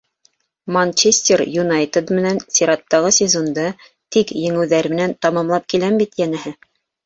«Манчестер Юнайтед» менән сираттағы сезонды тик еңеүҙәр менән тамамлап киләм бит, йәнәһе.